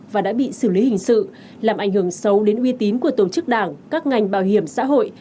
và đã bị xử lý hình sự làm ảnh hưởng xấu đến uy tín của tổ chức đảng các ngành bảo hiểm xã hội